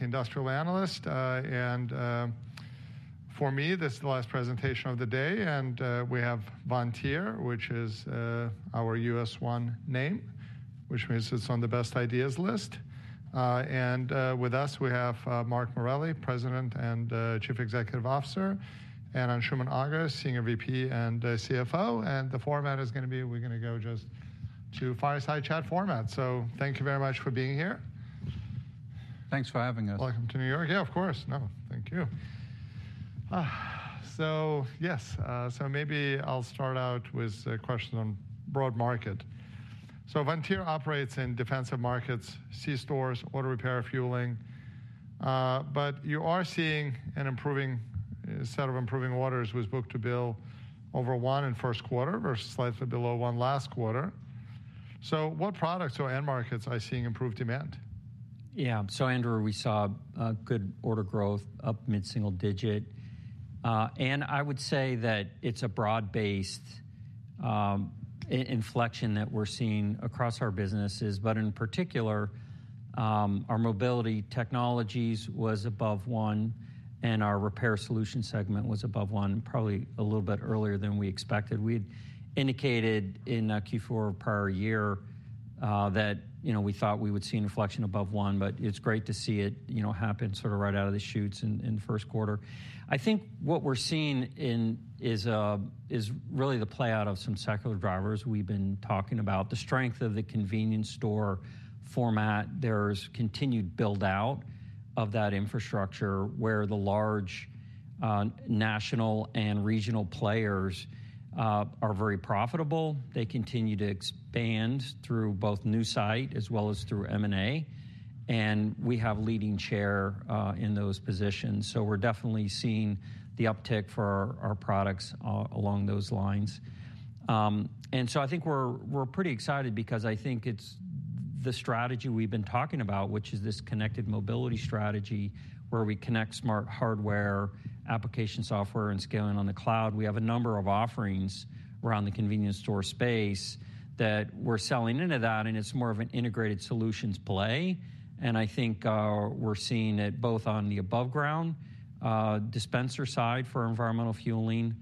Industrial analyst. For me, this is the last presentation of the day, and we have Vontier, which is our U.S. 1 name, which means it's on the best ideas list. With us, we have Mark Morelli, President and Chief Executive Officer, and Anshooman Aga, Senior VP and CFO. The format is going to be; we're going to go just to fireside chat format. Thank you very much for being here. Thanks for having us. Welcome to New York. Yeah, of course. No, thank you. So yes, so maybe I'll start out with a question on broad market. So Vontier operates in defensive markets, c-stores, auto repair, fueling, but you are seeing an improving set of improving orders with book-to-bill over one in first quarter versus slightly below one last quarter. So what products or end markets are you seeing improved demand? Yeah. So Andrew, we saw a good auto growth up mid-single digit. And I would say that it's a broad-based inflection that we're seeing across our businesses. But in particular, our Mobility Technologies was above one, and our Repair Solutions segment was above one, probably a little bit earlier than we expected. We'd indicated in Q4 of prior year that, you know, we thought we would see inflection above one, but it's great to see it, you know, happen sort of right out of the chutes in the first quarter. I think what we're seeing is really the play-out of some secular drivers. We've been talking about the strength of the convenience store format. There's continued build-out of that infrastructure, where the large national and regional players are very profitable. They continue to expand through both new site as well as through M&A, and we have leading share in those positions. So we're definitely seeing the uptick for our products along those lines. And so I think we're pretty excited because I think it's the strategy we've been talking about, which is this connected mobility strategy, where we connect smart hardware, application software, and scaling on the cloud. We have a number of offerings around the convenience store space that we're selling into that, and it's more of an integrated solutions play. And I think we're seeing it both on the above ground dispenser side for environmental fueling,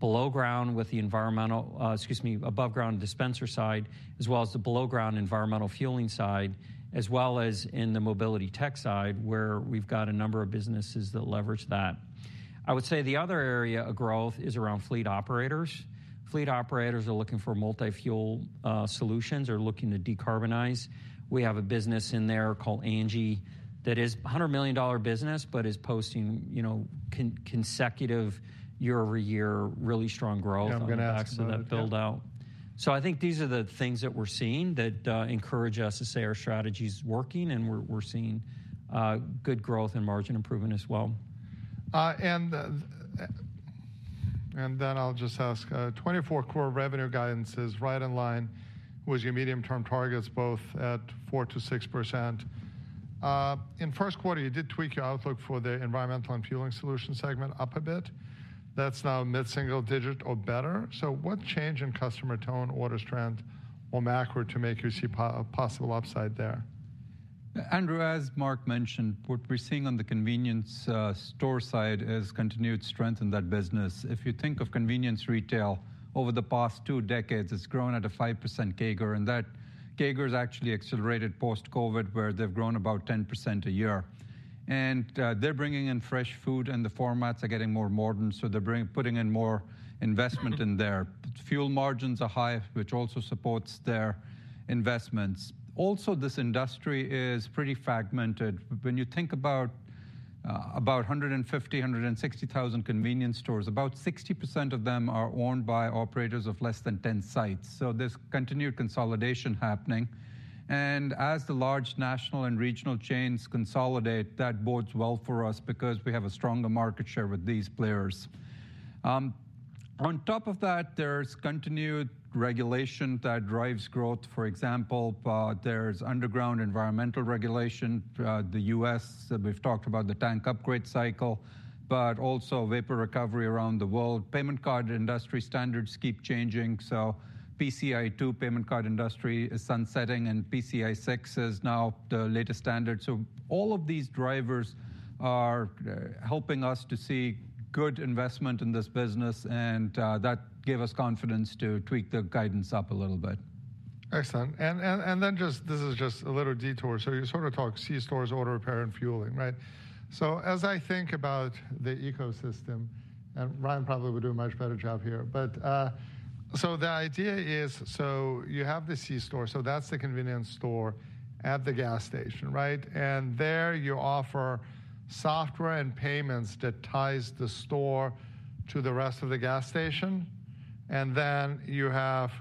below ground with the environmental... Excuse me, above ground dispenser side, as well as the below ground environmental fueling side, as well as in the mobility tech side, where we've got a number of businesses that leverage that. I would say the other area of growth is around fleet operators. Fleet operators are looking for multi-fuel solutions or looking to decarbonize. We have a business in there called ANGI, that is a $100 million business, but is posting, you know, consecutive year-over-year, really strong growth- Yeah, I'm going to ask about it.... on the back of that build-out. So I think these are the things that we're seeing that encourage us to say our strategy is working, and we're seeing good growth and margin improvement as well. I'll just ask. 2024 core revenue guidance is right in line with your medium-term targets, both at 4%-6%. In first quarter, you did tweak your outlook for the Environmental & Fueling Solutions segment up a bit. That's now mid-single digit or better. So what change in customer tone, auto strength or macro to make you see possible upside there? Andrew, as Mark mentioned, what we're seeing on the convenience store side is continued strength in that business. If you think of convenience retail over the past two decades, it's grown at a 5% CAGR, and that CAGR is actually accelerated post-COVID, where they've grown about 10% a year. They're bringing in fresh food, and the formats are getting more modern, so they're putting in more investment in there. Fuel margins are high, which also supports their investments. Also, this industry is pretty fragmented. When you think about 150-160 thousand convenience stores, about 60% of them are owned by operators of less than 10 sites. So there's continued consolidation happening. And as the large national and regional chains consolidate, that bodes well for us because we have a stronger market share with these players. On top of that, there's continued regulation that drives growth. For example, there's underground environmental regulation. The U.S., we've talked about the tank upgrade cycle, but also vapor recovery around the world. Payment card industry standards keep changing, so PCI payment card industry is sunsetting, and PCI 6 is now the latest standard. So all of these drivers are helping us to see good investment in this business, and that gave us confidence to tweak the guidance up a little bit. Excellent. And then just—this is just a little detour. So you sort of talked c-stores, auto, repair, and fueling, right? So as I think about the ecosystem, and Ryan probably would do a much better job here, but. So the idea is, so you have the c-store, so that's the convenience store at the gas station, right? And there, you offer software and payments that ties the store to the rest of the gas station, and then you have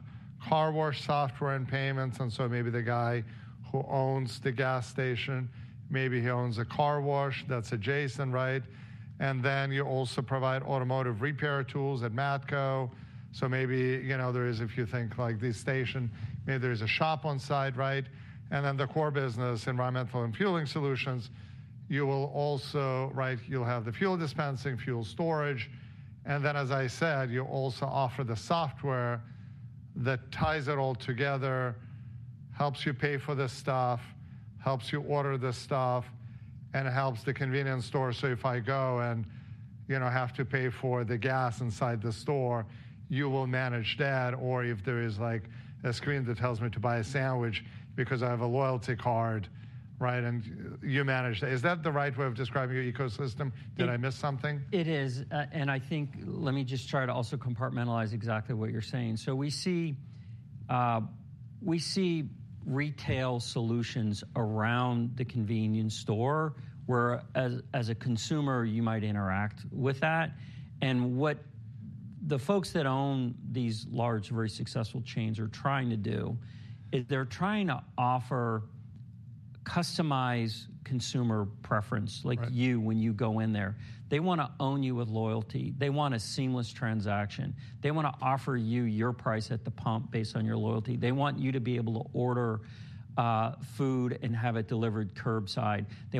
car wash software and payments, and so maybe the guy who owns the gas station, maybe he owns a car wash that's adjacent, right? And then you also provide automotive repair tools at Matco. So maybe, you know, there is, if you think, like, this station, maybe there's a shop on site, right? And then the core business, Environmental & Fueling Solutions, you will also, right, you'll have the fuel dispensing, fuel storage, and then, as I said, you also offer the software that ties it all together, helps you pay for the stuff, helps you order the stuff, and helps the convenience store. So if I go and, you know, have to pay for the gas inside the store, you will manage that, or if there is, like, a screen that tells me to buy a sandwich because I have a loyalty card, right? And you manage that. Is that the right way of describing your ecosystem? It- Did I miss something? It is. And I think, let me just try to also compartmentalize exactly what you're saying. So we see, we see retail solutions around the convenience store, whereas, as a consumer, you might interact with that. And what the folks that own these large, very successful chains are trying to do is they're trying to offer customized consumer preference- Right... like you when you go in there. They wanna own you with loyalty. They want a seamless transaction. They want to offer you your price at the pump based on your loyalty. They want you to be able to order food and have it delivered curbside. They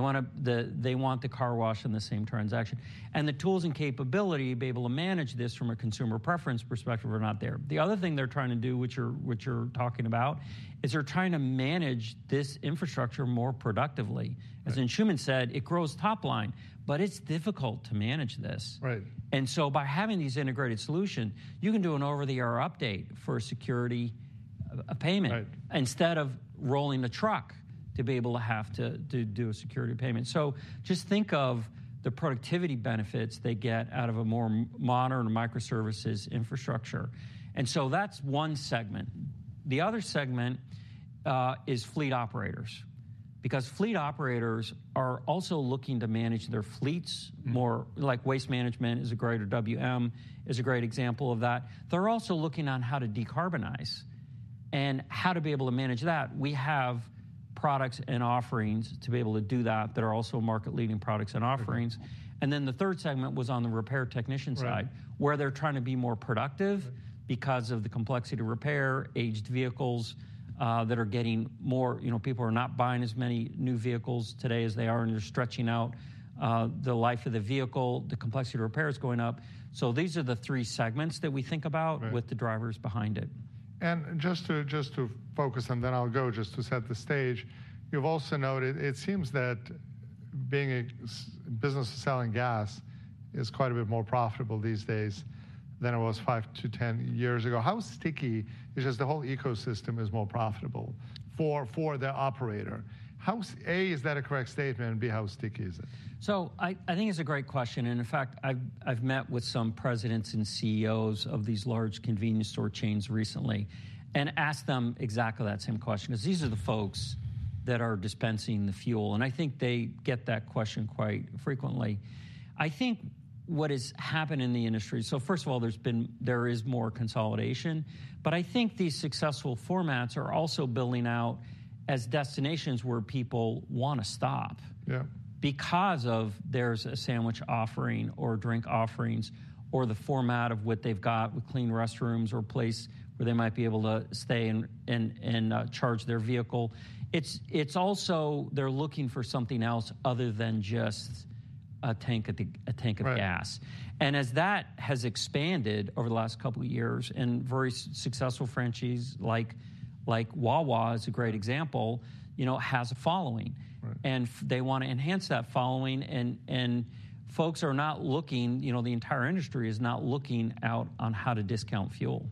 want the car wash in the same transaction. And the tools and capability to be able to manage this from a consumer preference perspective are not there. The other thing they're trying to do, which you're talking about, is they're trying to manage this infrastructure more productively. Right. As Anshooman said, it grows top line, but it's difficult to manage this. Right. And so by having these integrated solution, you can do an over-the-air update for security, a payment- Right... instead of rolling a truck to be able to have to, to do a secure payment. So just think of the productivity benefits they get out of a more modern microservices infrastructure, and so that's one segment. The other segment is fleet operators, because fleet operators are also looking to manage their fleets more like Waste Management is a great, or WM, is a great example of that. They're also looking on how to decarbonize and how to be able to manage that. We have products and offerings to be able to do that, that are also market-leading products and offerings. Right. And then the third segment was on the repair technician side- Right... where they're trying to be more productive- Right... because of the complexity to repair aged vehicles, that are getting more... You know, people are not buying as many new vehicles today as they are, and they're stretching out, the life of the vehicle. The complexity to repair is going up. So these are the three segments that we think about- Right... with the drivers behind it. Just to focus, and then I'll go, just to set the stage. You've also noted it seems that being a c-store business selling gas is quite a bit more profitable these days than it was 5-10 years ago. How sticky is, just the whole ecosystem, is more profitable for, for the operator? How... A, is that a correct statement? And B, how sticky is it? So I think it's a great question, and in fact, I've met with some presidents and CEOs of these large convenience store chains recently and asked them exactly that same question, 'cause these are the folks that are dispensing the fuel, and I think they get that question quite frequently. I think what has happened in the industry... So first of all, there has been more consolidation, but I think these successful formats are also building out as destinations where people wanna stop- Yeah... because of there's a sandwich offering or drink offerings or the format of what they've got with clean restrooms or a place where they might be able to stay and charge their vehicle. It's also they're looking for something else other than just a tank of gas. Right. As that has expanded over the last couple of years, and very successful franchisees, like, like Wawa is a great example, you know, has a following. Right. They wanna enhance that following, and folks are not looking, you know, the entire industry is not looking out on how to discount fuel.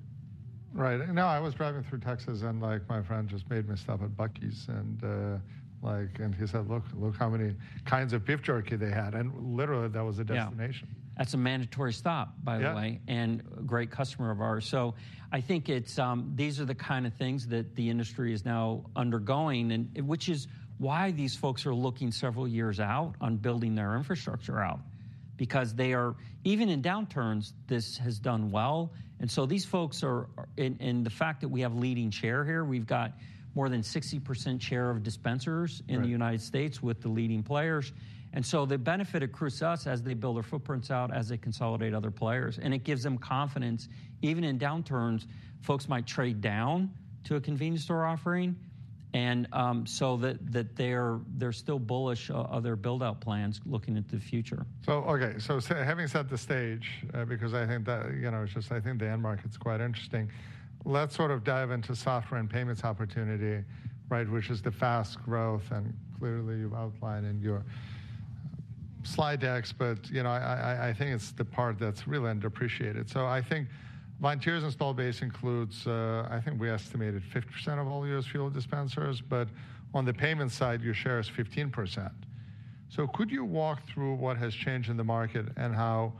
Right. No, I was driving through Texas, and, like, my friend just made me stop at Buc-ee's, and, like, and he said, "Look, look how many kinds of beef jerky they had," and literally, that was the destination. Yeah. That's a mandatory stop, by the way- Yeah... and a great customer of ours. So I think it's, these are the kind of things that the industry is now undergoing and which is why these folks are looking several years out on building their infrastructure out, because they are... Even in downturns, this has done well, and so these folks are, and, and the fact that we have leading share here, we've got more than 60% share of dispensers- Right... in the United States with the leading players. And so the benefit accrues to us as they build their footprints out, as they consolidate other players, and it gives them confidence. Even in downturns, folks might trade down to a convenience store offering, and so that they're still bullish on their build-out plans looking at the future. Okay. Having set the stage, because I think that, you know, it's just, I think the end market's quite interesting. Let's sort of dive into software and payments opportunity, right, which is the fast growth, and clearly, you've outlined in your slide decks. But, you know, I think it's the part that's really underappreciated. So I think Vontier's install base includes, I think we estimated 50% of all U.S. fuel dispensers, but on the payment side, your share is 15%. So could you walk through what has changed in the market and how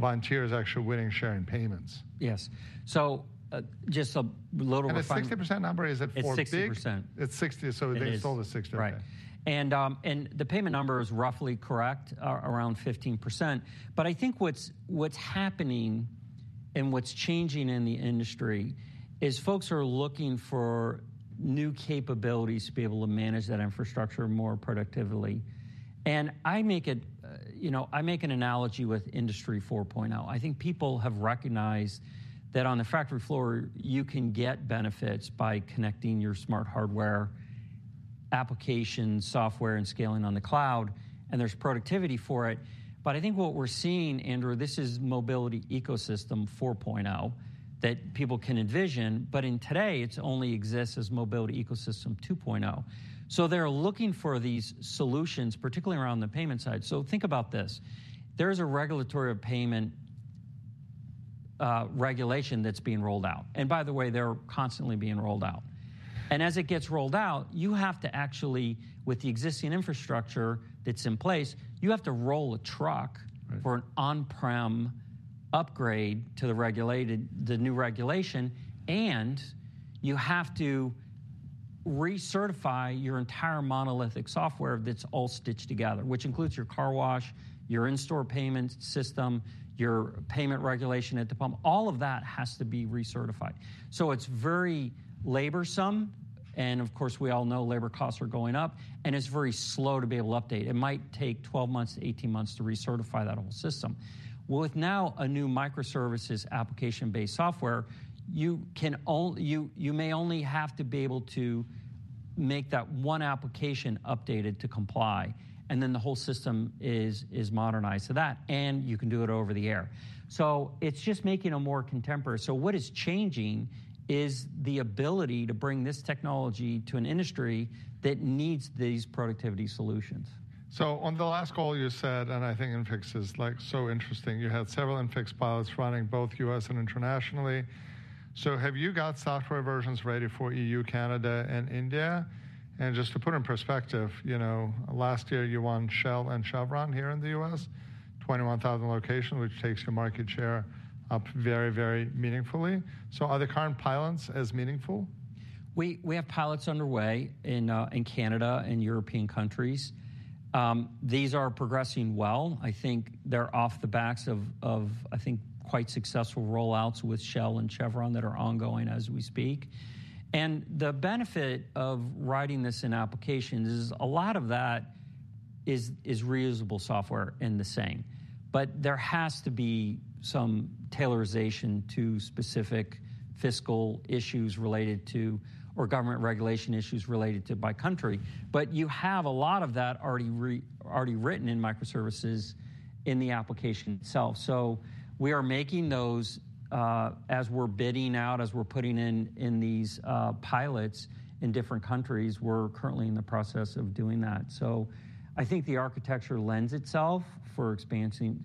Vontier is actually winning share in payments? Yes. So, just a little- The 50% number, is it for Buc-ee's? It's 60%. It's 60, so they- It is... installed is 60%. Right. And the payment number is roughly correct, around 15%. But I think what's happening and what's changing in the industry is folks are looking for new capabilities to be able to manage that infrastructure more productively. And I make it, you know, I make an analogy with Industry 4.0. I think people have recognized that on the factory floor, you can get benefits by connecting your smart hardware, application software and scaling on the cloud, and there's productivity for it. But I think what we're seeing, Andrew, this is mobility ecosystem 4.0, that people can envision, but in today, it only exists as mobility ecosystem 2.0. So they're looking for these solutions, particularly around the payment side. So think about this: there is a regulatory of payment, regulation that's being rolled out, and by the way, they're constantly being rolled out. As it gets rolled out, you have to actually, with the existing infrastructure that's in place, you have to roll a truck- Right... for an on-prem upgrade to the regulated, the new regulation, and you have to recertify your entire monolithic software that's all stitched together, which includes your car wash, your in-store payment system, your payment regulation at the pump. All of that has to be recertified. So it's very laborsome, and of course, we all know labor costs are going up, and it's very slow to be able to update. It might take 12-18 months to recertify that whole system. With now a new microservices application-based software, you can, you may only have to be able to make that one application updated to comply, and then the whole system is modernized to that, and you can do it over the air. So it's just making it more contemporary. What is changing is the ability to bring this technology to an industry that needs these productivity solutions. On the last call, you said, and I think iNFX is, like, so interesting. You had several iNFX pilots running, both U.S. and internationally. Have you got software versions ready for E.U., Canada, and India? And just to put in perspective, you know, last year you won Shell and Chevron here in the U.S., 21,000 locations, which takes your market share up very, very meaningfully. Are the current pilots as meaningful? We have pilots underway in Canada and European countries. These are progressing well. I think they're off the backs of quite successful rollouts with Shell and Chevron that are ongoing as we speak. And the benefit of writing this in applications is a lot of that is reusable software in the same, but there has to be some customization to specific fiscal issues related to or government regulation issues related to by country. But you have a lot of that already written in microservices in the application itself. So we are making those as we're bidding out, as we're putting in these pilots in different countries. We're currently in the process of doing that. So I think the architecture lends itself for expanding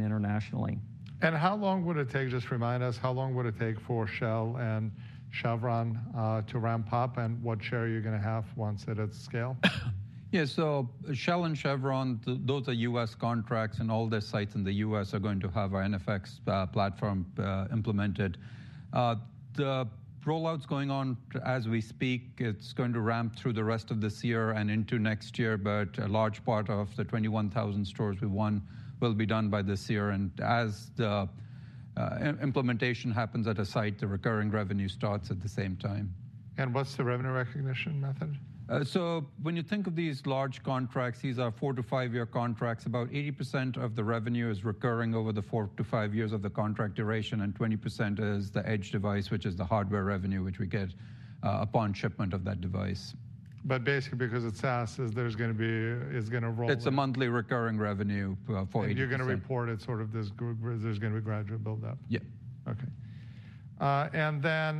internationally. How long would it take? Just remind us, how long would it take for Shell and Chevron to ramp up, and what share are you gonna have once they're at scale? Yeah, so Shell and Chevron, those are US contracts, and all their sites in the US are going to have our iNFX platform implemented. The rollout's going on as we speak. It's going to ramp through the rest of this year and into next year, but a large part of the 21,000 stores we won will be done by this year, and as the implementation happens at a site, the recurring revenue starts at the same time. What's the revenue recognition method? When you think of these large contracts, these are 4-5-year contracts. About 80% of the revenue is recurring over the 4-5 years of the contract duration, and 20% is the edge device, which is the hardware revenue, which we get upon shipment of that device. But basically, because it's SaaS, there's gonna be... it's gonna roll- It's a monthly recurring revenue for 80%. And you're gonna report it sort of this. There's gonna be a gradual build-up? Yeah. Okay. And then,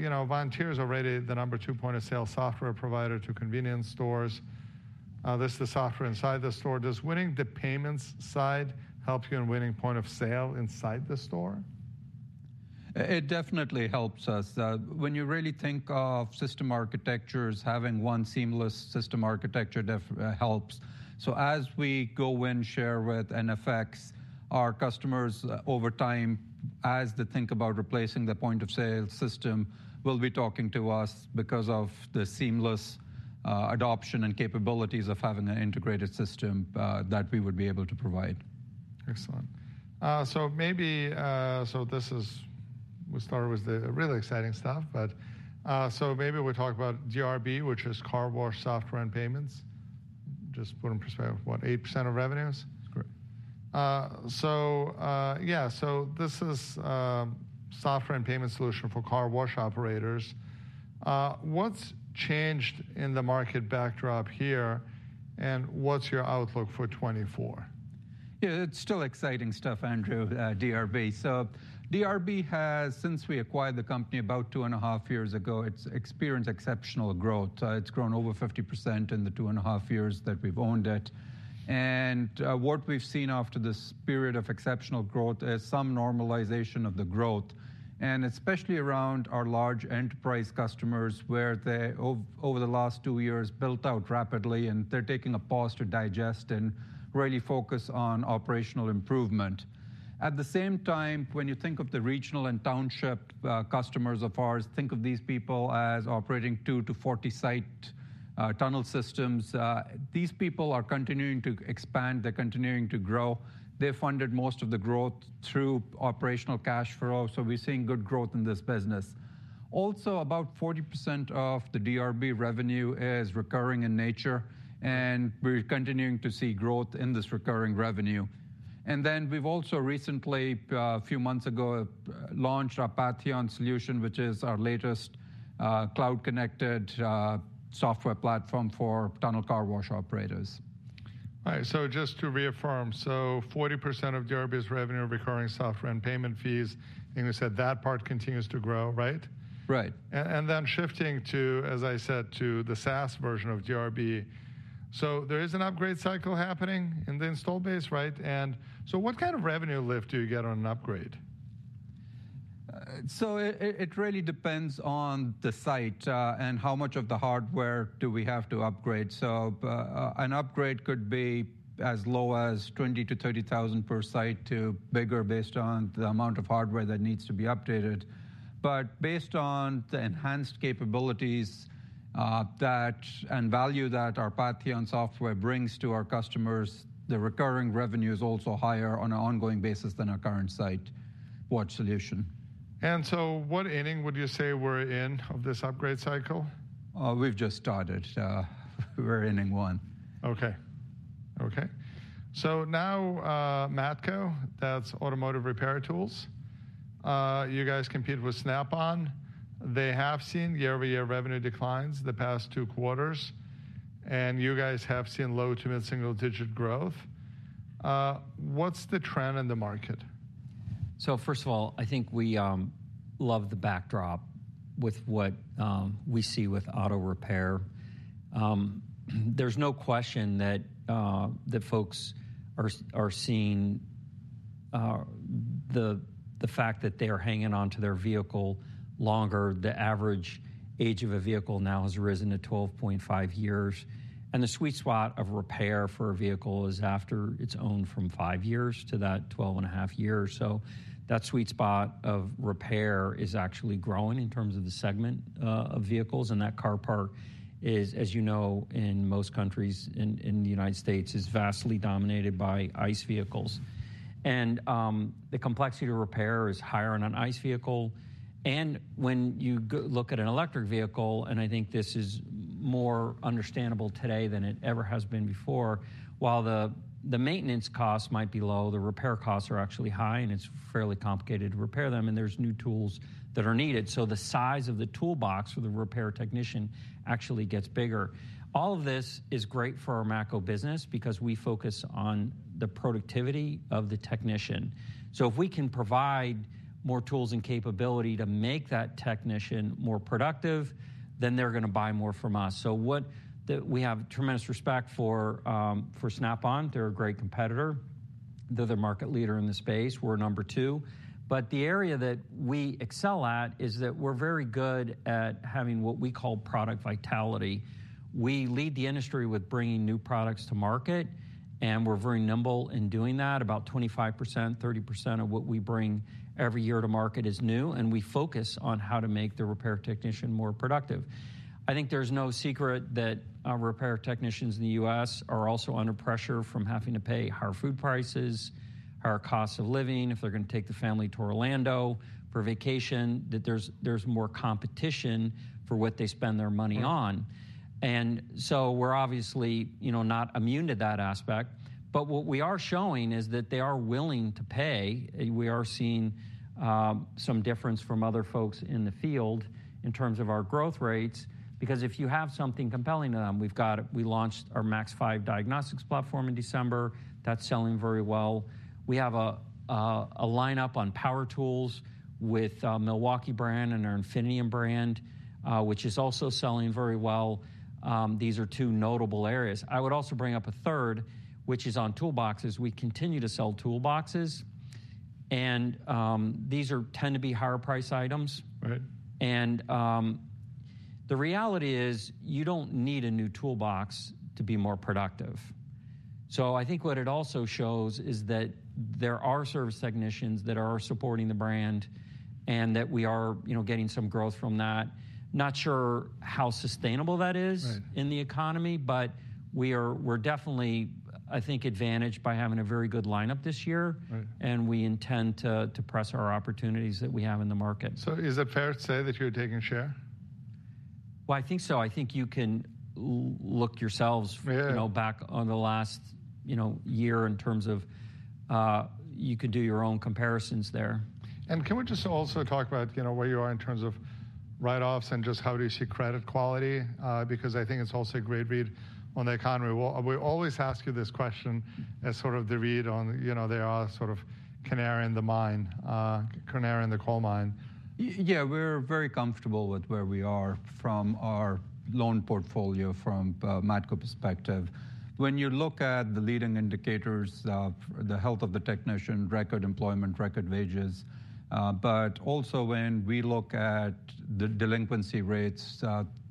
you know, Vontier is already the number two point-of-sale software provider to convenience stores. This is the software inside the store. Does winning the payments side help you in winning point-of-sale inside the store? It definitely helps us. When you really think of system architectures, having one seamless system architecture helps. So as we go and share with iNFX, our customers, over time, as they think about replacing the point-of-sale system, will be talking to us because of the seamless adoption and capabilities of having an integrated system that we would be able to provide. Excellent. So maybe, so this is... we started with the really exciting stuff, but, so maybe we talk about DRB, which is car wash, software, and payments. Just put in perspective, what, 8% of revenues? Sure. So, yeah, so this is software and payment solution for car wash operators. What's changed in the market backdrop here, and what's your outlook for 2024? Yeah, it's still exciting stuff, Andrew, DRB. DRB has, since we acquired the company about 2.5 years ago, experienced exceptional growth. It's grown over 50% in the 2.5 years that we've owned it. What we've seen after this period of exceptional growth is some normalization of the growth, and especially around our large enterprise customers, where they, over the last 2 years, built out rapidly, and they're taking a pause to digest and really focus on operational improvement. At the same time, when you think of the regional and township customers of ours, think of these people as operating 2- to 40-site tunnel systems. These people are continuing to expand. They're continuing to grow. They funded most of the growth through operational cash flow, so we're seeing good growth in this business. Also, about 40% of the DRB revenue is recurring in nature, and we're continuing to see growth in this recurring revenue. And then we've also recently, a few months ago, launched our Patheon solution, which is our latest, cloud-connected, software platform for tunnel car wash operators. All right, so just to reaffirm, so 40% of DRB's revenue are recurring software and payment fees, and you said that part continues to grow, right? Right. And then shifting to, as I said, to the SaaS version of DRB, so there is an upgrade cycle happening in the install base, right? And so what kind of revenue lift do you get on an upgrade? So it really depends on the site, and how much of the hardware do we have to upgrade. An upgrade could be as low as $20,000-$30,000 per site to bigger, based on the amount of hardware that needs to be updated. But based on the enhanced capabilities, that, and value that our Patheon software brings to our customers, the recurring revenue is also higher on an ongoing basis than our current site wash solution. What inning would you say we're in of this upgrade cycle? We've just started. We're in inning one. Okay. Okay. So now, Matco, that's automotive repair tools. You guys compete with Snap-on. They have seen year-over-year revenue declines the past two quarters, and you guys have seen low- to mid-single-digit growth. What's the trend in the market? So first of all, I think we love the backdrop with what we see with auto repair. There's no question that folks are seeing the fact that they are hanging on to their vehicle longer. The average age of a vehicle now has risen to 12.5 years, and the sweet spot of repair for a vehicle is after it's owned from five years to that 12.5 years. So that sweet spot of repair is actually growing in terms of the segment of vehicles, and that car parc is, as you know, in most countries, in the United States, vastly dominated by ICE vehicles. The complexity to repair is higher on an ICE vehicle. And when you look at an electric vehicle, and I think this is more understandable today than it ever has been before, while the maintenance costs might be low, the repair costs are actually high, and it's fairly complicated to repair them, and there's new tools that are needed. So the size of the toolbox for the repair technician actually gets bigger. All of this is great for our Matco business because we focus on the productivity of the technician. So if we can provide more tools and capability to make that technician more productive, then they're gonna buy more from us. So what... We have tremendous respect for Snap-on. They're a great competitor. They're the market leader in the space. We're number two. But the area that we excel at is that we're very good at having what we call product vitality. We lead the industry with bringing new products to market, and we're very nimble in doing that. About 25%-30% of what we bring every year to market is new, and we focus on how to make the repair technician more productive. I think there's no secret that our repair technicians in the U.S. are also under pressure from having to pay higher food prices, higher costs of living, if they're gonna take the family to Orlando for a vacation, that there's, there's more competition for what they spend their money on. Right. And so we're obviously, you know, not immune to that aspect, but what we are showing is that they are willing to pay. We are seeing some difference from other folks in the field in terms of our growth rates, because if you have something compelling to them... We've got, we launched our MAXIMUS 5.0 diagnostics platform in December. That's selling very well. We have a lineup on power tools with Milwaukee brand and our Infinium brand, which is also selling very well. These are two notable areas. I would also bring up a third, which is on toolboxes. We continue to sell toolboxes, and these tend to be higher priced items. Right. The reality is, you don't need a new toolbox to be more productive. I think what it also shows is that there are service technicians that are supporting the brand and that we are, you know, getting some growth from that. Not sure how sustainable that is. Right... in the economy, but we are- we're definitely, I think, advantaged by having a very good lineup this year. Right. We intend to press our opportunities that we have in the market. Is it fair to say that you're taking share? Well, I think so. I think you can look yourselves- Yeah... you know, back on the last, you know, year in terms of, you could do your own comparisons there. Can we just also talk about, you know, where you are in terms of write-offs and just how do you see credit quality? Because I think it's also a great read on the economy. We always ask you this question as sort of the read on, you know, they are sort of canary in the mine, canary in the coal mine. Yeah, we're very comfortable with where we are from our loan portfolio from Matco perspective. When you look at the leading indicators of the health of the technician, record employment, record wages, but also when we look at the delinquency rates,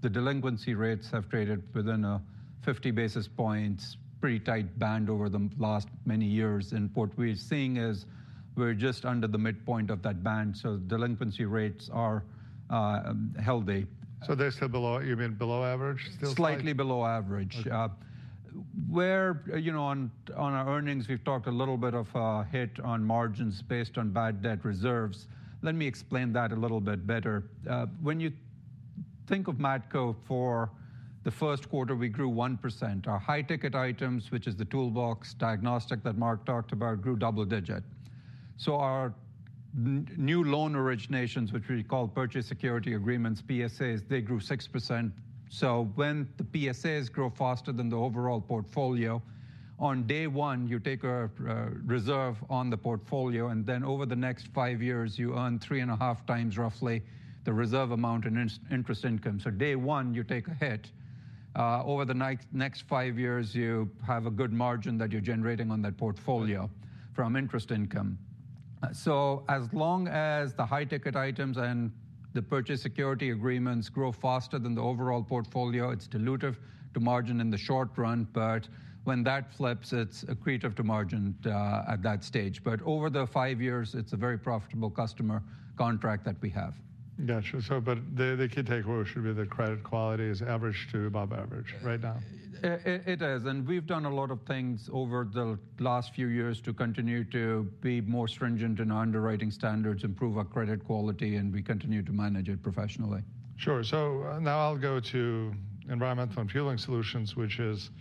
the delinquency rates have traded within a 50 basis points, pretty tight band over the last many years. And what we're seeing is we're just under the midpoint of that band, so delinquency rates are healthy. They're still below, you mean below average still? Slightly below average. Okay. You know, on our earnings, we've talked a little bit of a hit on margins based on bad debt reserves. Let me explain that a little bit better. When you think of Matco for the first quarter, we grew 1%. Our high-ticket items, which is the toolbox diagnostic that Mark talked about, grew double digit. So our new loan originations, which we call Purchase Security Agreements, PSAs, they grew 6%. So when the PSAs grow faster than the overall portfolio, on day one, you take a reserve on the portfolio, and then over the next five years, you earn three and a half times roughly the reserve amount in interest income. So day one, you take a hit. Over the next five years, you have a good margin that you're generating on that portfolio from interest income. As long as the high-ticket items and the Purchase Security Agreements grow faster than the overall portfolio, it's dilutive to margin in the short run, but when that flips, it's accretive to margin at that stage. Over the five years, it's a very profitable customer contract that we have. Gotcha. So, but they could take what should be the credit quality is average to above average right now? It is, and we've done a lot of things over the last few years to continue to be more stringent in our underwriting standards, improve our credit quality, and we continue to manage it professionally. Sure. So, now I'll go to Environmental & Fueling Solutions, which is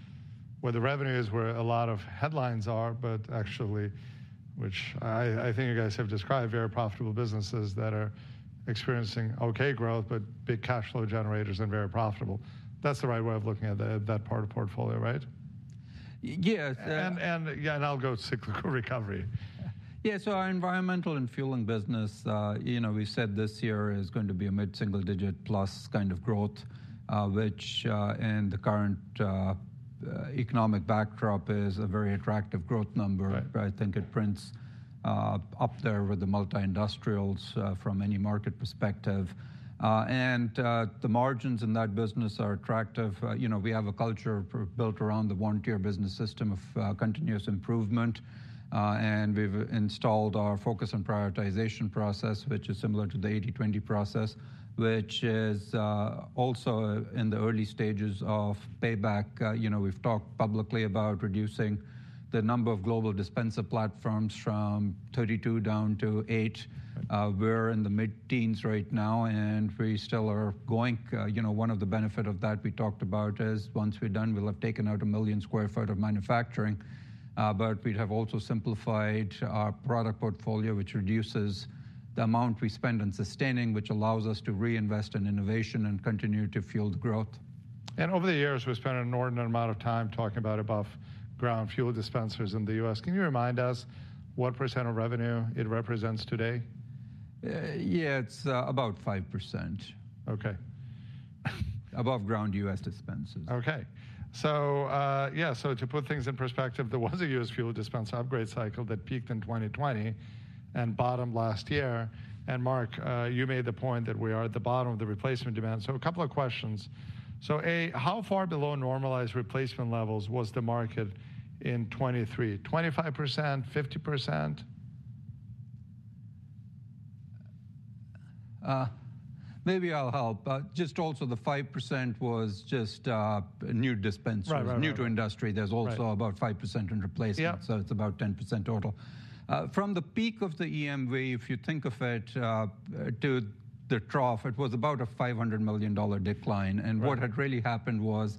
where the revenue is, where a lot of headlines are, but actually, which I think you guys have described very profitable businesses that are experiencing okay growth, but big cash flow generators and very profitable. That's the right way of looking at that part of the portfolio, right? Yes, uh- Yeah, I'll go cyclical recovery. Yeah, so our environmental and fueling business, you know, we said this year is going to be a mid-single digit plus kind of growth, which, in the current economic backdrop is a very attractive growth number. Right. I think it prints up there with the multi-industrials from any market perspective. And the margins in that business are attractive. You know, we have a culture built around the Vontier Business System of continuous improvement, and we've installed our focus and prioritization process, which is similar to the 80/20 process, which is also in the early stages of payback. You know, we've talked publicly about reducing the number of global dispenser platforms from 32 down to eight. Right. We're in the mid-teens right now, and we still are going. You know, one of the benefit of that we talked about is once we're done, we'll have taken out 1 million sq ft of manufacturing, but we'd have also simplified our product portfolio, which reduces the amount we spend in sustaining, which allows us to reinvest in innovation and continue to fuel the growth. Over the years, we've spent an inordinate amount of time talking about above ground fuel dispensers in the U.S. Can you remind us what % of revenue it represents today? Yeah, it's about 5%. Okay. Above ground U.S. dispensers. Okay. So, so to put things in perspective, there was a U.S. fuel dispenser upgrade cycle that peaked in 2020 and bottomed last year. And Mark, you made the point that we are at the bottom of the replacement demand. So a couple of questions. So, A, how far below normalized replacement levels was the market in 2023? 25%, 50%? Maybe I'll help, but just also the 5% was just new dispensers- Right, right, right. New to industry. Right. There's also about 5% in replacement- Yeah. It's about 10% total. From the peak of the EMV, if you think of it, to the trough, it was about a $500 million decline. Right. What had really happened was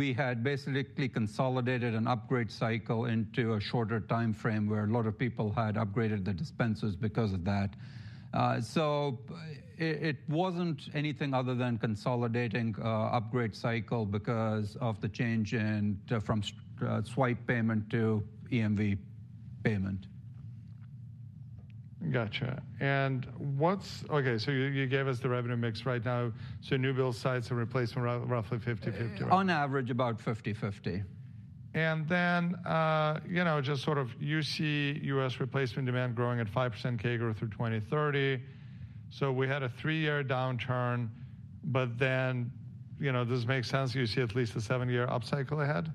we had basically consolidated an upgrade cycle into a shorter timeframe, where a lot of people had upgraded their dispensers because of that. So it, it wasn't anything other than consolidating an upgrade cycle because of the change in from swipe payment to EMV payment. Gotcha. And what's... Okay, so you gave us the revenue mix right now. So new build sites and replacement roughly 50/50. On average, about 50/50. And then, you know, just sort of you see U.S. replacement demand growing at 5% CAGR growth through 2030. So we had a three-year downturn, but then, you know, does this make sense? You see at least a seven-year upcycle ahead?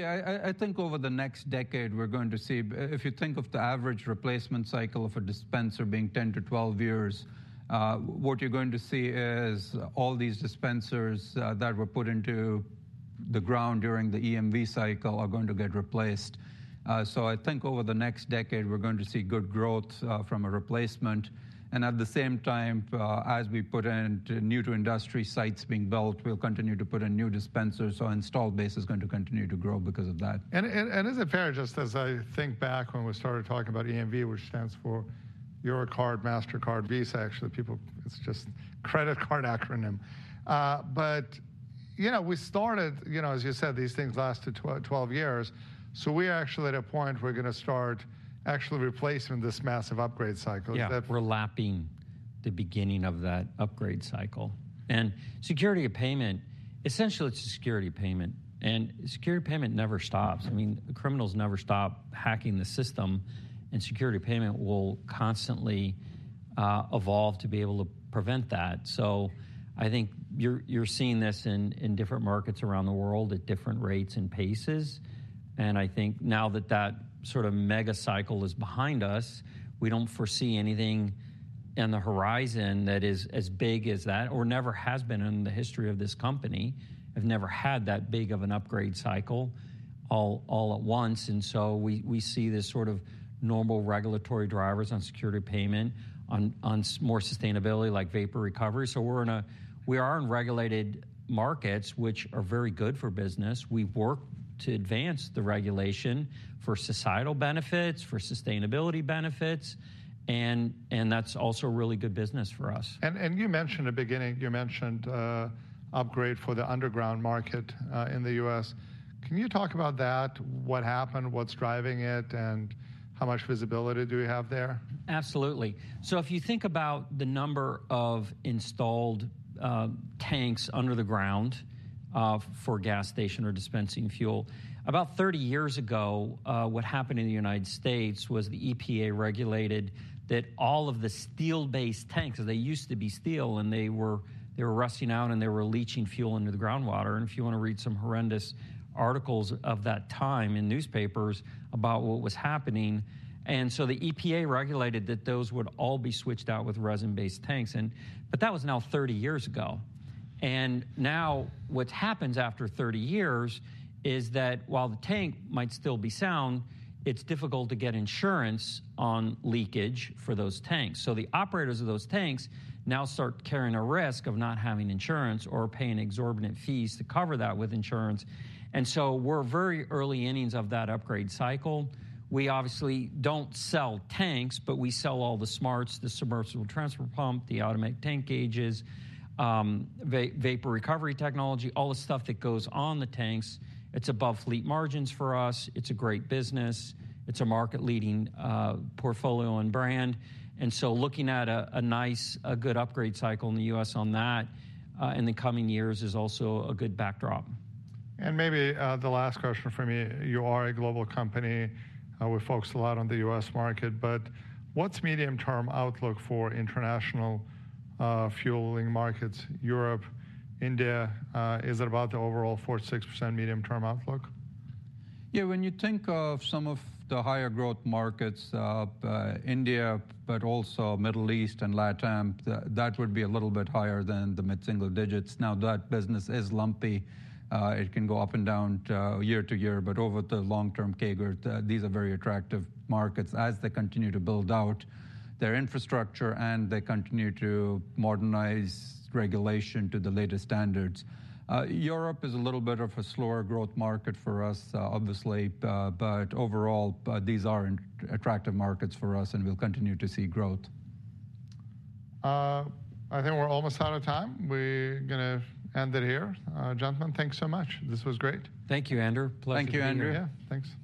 Yeah, I think over the next decade, we're going to see... If you think of the average replacement cycle of a dispenser being 10-12 years, what you're going to see is all these dispensers that were put into the ground during the EMV cycle are going to get replaced. So I think over the next decade, we're going to see good growth from a replacement, and at the same time, as we put in new to industry sites being built, we'll continue to put in new dispensers, so installed base is going to continue to grow because of that. Is it fair, just as I think back when we started talking about EMV, which stands for Eurocard, Mastercard, Visa, actually, people—it's just credit card acronym. But, you know, we started, you know, as you said, these things lasted 12 years, so we're actually at a point we're gonna start actually replacing this massive upgrade cycle. Yeah. That- We're lapping the beginning of that upgrade cycle. And payment security, essentially, it's a payment security, and payment security never stops. I mean, criminals never stop hacking the system, and payment security will constantly evolve to be able to prevent that. So I think you're seeing this in different markets around the world at different rates and paces.... And I think now that that sort of mega cycle is behind us, we don't foresee anything on the horizon that is as big as that or never has been in the history of this company, have never had that big of an upgrade cycle all at once. And so we see this sort of normal regulatory drivers on payment security, on more sustainability, like vapor recovery. So we are in regulated markets, which are very good for business. We work to advance the regulation for societal benefits, for sustainability benefits, and that's also really good business for us. And you mentioned at the beginning, you mentioned upgrade for the underground market in the U.S. Can you talk about that? What happened, what's driving it, and how much visibility do we have there? Absolutely. So if you think about the number of installed tanks under the ground for gas station or dispensing fuel, about 30 years ago, what happened in the United States was the EPA regulated that all of the steel-based tanks, because they used to be steel, and they were rusting out, and they were leaching fuel into the groundwater. And if you wanna read some horrendous articles of that time in newspapers about what was happening. And so the EPA regulated that those would all be switched out with resin-based tanks. But that was now 30 years ago. And now, what's happens after 30 years is that while the tank might still be sound, it's difficult to get insurance on leakage for those tanks. So the operators of those tanks now start carrying a risk of not having insurance or paying exorbitant fees to cover that with insurance. And so we're very early innings of that upgrade cycle. We obviously don't sell tanks, but we sell all the smarts, the submersible transfer pump, the automatic tank gauges, vapor recovery technology, all the stuff that goes on the tanks. It's above fleet margins for us. It's a great business. It's a market-leading portfolio and brand. And so looking at a nice, good upgrade cycle in the U.S. on that, in the coming years is also a good backdrop. Maybe, the last question from me. You are a global company, we focused a lot on the U.S. market, but what's medium-term outlook for international, fueling markets? Europe, India, is it about the overall 4%-6% medium-term outlook? Yeah, when you think of some of the higher growth markets, India, but also Middle East and LATAM, that would be a little bit higher than the mid-single digits. Now, that business is lumpy. It can go up and down, year to year, but over the long term, CAGR, these are very attractive markets as they continue to build out their infrastructure and they continue to modernize regulation to the latest standards. Europe is a little bit of a slower growth market for us, obviously, but overall, these are attractive markets for us, and we'll continue to see growth. I think we're almost out of time. We're gonna end it here. Gentlemen, thanks so much. This was great. Thank you, Andrew. Pleasure to be here. Thank you, Andrew. Yeah, thanks.